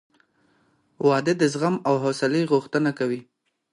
• واده د زغم او حوصلې غوښتنه کوي.